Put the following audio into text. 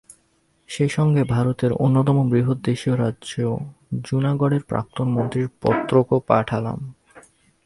সেই সঙ্গে ভারতের অন্যতম বৃহৎ দেশীয় রাজ্য জুনাগড়ের প্রাক্তন মন্ত্রীর পত্রও পাঠালাম।